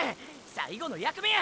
最後の役目や。